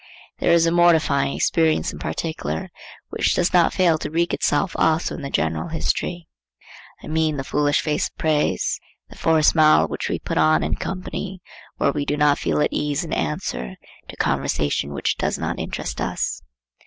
There is a mortifying experience in particular, which does not fail to wreak itself also in the general history; I mean "the foolish face of praise," the forced smile which we put on in company where we do not feel at ease in answer to conversation which does not interest us.